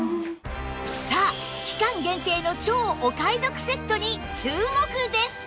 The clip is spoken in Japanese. さあ期間限定の超お買い得セットに注目です！